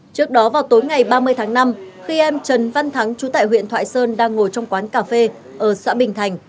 trước đó vào tối ngày ba mươi tháng năm khi em trần văn thắng chú tại huyện thoại sơn đang ngồi trong quán cà phê ở xã bình thành